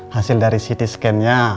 hasil dari ct scan nya